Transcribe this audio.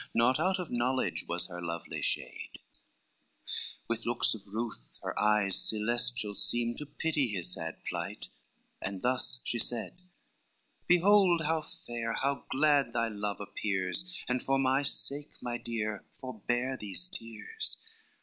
Not out of knowledge was her lovely shade, With looks of ruth her eyes celestial seem To pity his sad plight, and thus she said, "Behold how fair, how glad thy love appears, And for my sake, my dear, forbear these tears.